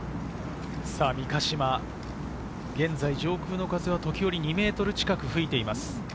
三ヶ島、上空の風は時折、２メートル近く吹いています。